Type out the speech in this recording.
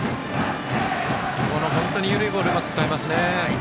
本当に緩いボールうまく使いますよね。